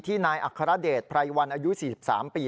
ที่นายอัครเดชน์ไพรวัลอายุ๔๓ปี